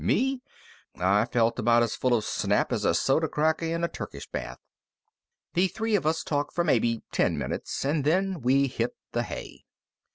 Me, I felt about as full of snap as a soda cracker in a Turkish bath. The three of us talked for maybe ten minutes, and then we hit the hay.